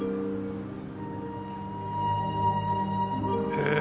へえ。